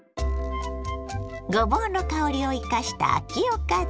ごぼうの香りを生かした秋おかず。